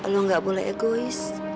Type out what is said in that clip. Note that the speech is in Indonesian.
lo gak boleh egois